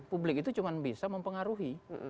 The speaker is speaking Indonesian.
publik itu cuma bisa mempengaruhi